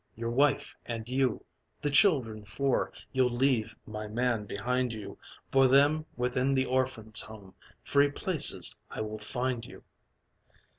Your wife and you! The children four You'll leave, my man, behind you, For them, within the Orphan's Home, Free places I will find you."